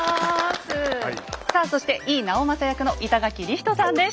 さあそして井伊直政役の板垣李光人さんです。